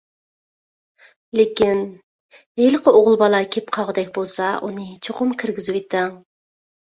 لېكىن، ھېلىقى ئوغۇل بالا كېلىپ قالغۇدەك بولسا، ئۇنى چوقۇم كىرگۈزۈۋېتىڭ.